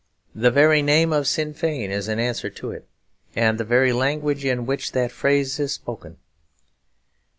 The very name of Sinn Fein is an answer to it, and the very language in which that phrase is spoken.